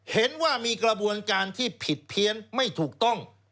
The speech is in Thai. เห็นว่ามีกระบวนการที่ผิดเพี้ยนไม่ถูกต้อง